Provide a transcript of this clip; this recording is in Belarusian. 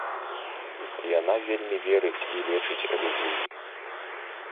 Яна вельмі верыць і лечыць людзей.